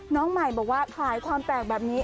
น้องใหม่บอกว่าขายความแปลกแบบนี้